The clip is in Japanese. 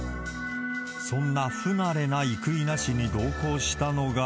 そんな不慣れな生稲氏に同行したのが。